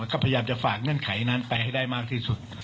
ก็พยายามจะฝากเงื่อนไขนั้นไปให้ได้มากที่สุด